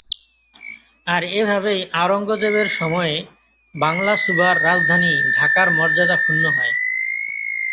আর এভাবেই আওরঙ্গজেবের সময়ে বাংলা সুবাহর রাজধানী ঢাকার মর্যাদা ক্ষুণ্ণ হয়।